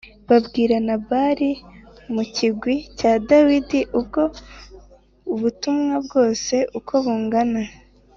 babwira Nabali mu kigwi cya Dawidi ubwo butumwa bwose uko bungana